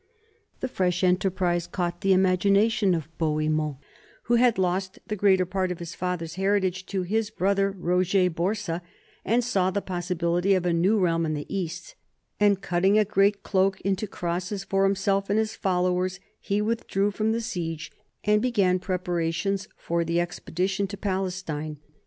The fresh enter prise caught the imagination of Bohemond, who had lost the greater part of his father's heritage to his brother Roger Borsa and saw the possibility of a new realm in the East; and, cutting a great cloak into crosses for himself and his followers, he withdrew from the siege and began preparations for the expedition to Palestine.